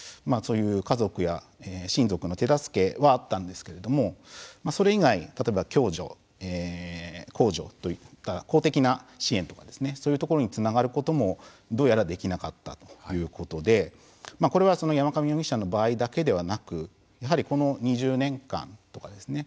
家族や親族の手助けはあったんですけどそれ以外例えば共助、公助といった公的な支援とかそういうところにつながることもどうやらできなかったということでこれは山上容疑者の場合だけではなくやはり、この２０年間とかですね。